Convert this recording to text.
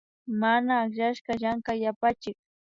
Mana akllashka Llankay yapachik